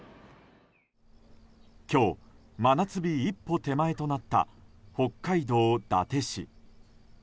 今日、真夏日一歩手前となった北海道伊達市。